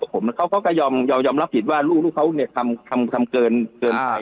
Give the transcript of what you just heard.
ผมเขาก็ยอมรับผิดว่าลูกเขาทำเกินไป